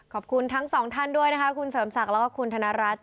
ขอบคุณทั้งสองท่านด้วยนะคะคุณเสริมศักดิ์แล้วก็คุณธนรัฐ